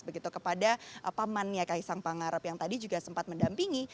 begitu kepada pamannya kaisang pangarep yang tadi juga sempat mendampingi